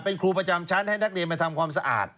เป็นครูประจำชั้นให้นักเรียนมาทำความสะอาด